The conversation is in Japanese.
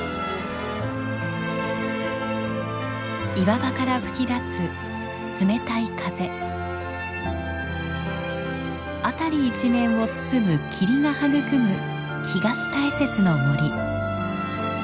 岩場から吹き出す冷たい風。辺り一面を包む霧が育む東大雪の森。